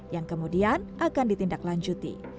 yang kemudian akan ditindaklanjuti